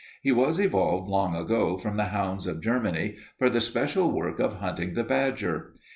He was evolved long ago from the hounds of Germany for the special work of hunting the badger.